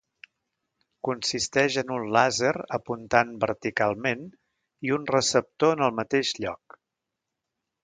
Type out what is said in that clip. Consisteix en un làser apuntant verticalment, i un receptor en el mateix lloc.